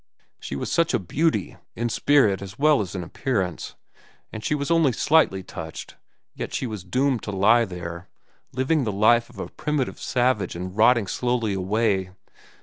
She was such a beauty, in spirit as well as in appearance, and she was only slightly touched; yet she was doomed to lie there, living the life of a primitive savage and rotting slowly away.